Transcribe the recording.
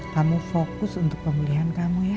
kamu fokus untuk pemulihan kamu ya